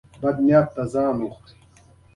د کرنيزو چارو نظارت د لوړ کیفیت تضمینوي.